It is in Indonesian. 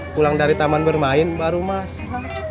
pulang dari taman bermain baru masuk